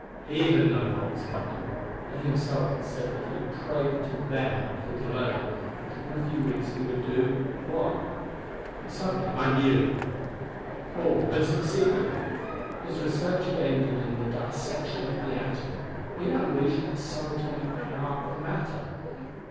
He had known what was coming. He himself had said that he had prayed to "them" for delay; that in a few weeks he would do what?... And suddenly I knew. Paul had succeeded; his research had ended in the dissection of the atom; he had unleashed the sub atomic power of matter.